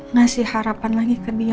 ngasih harapan lagi ke dia